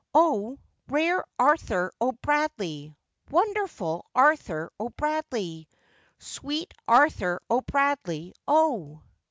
O! rare Arthur O'Bradley! wonderful Arthur O'Bradley! Sweet Arthur O'Bradley, O!